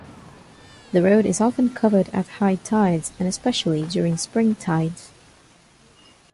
The road is often covered at high tides and especially during spring tides.